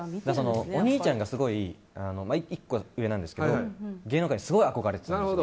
お兄ちゃんが、すごい１個上なんですけど芸能界にすごく憧れていて。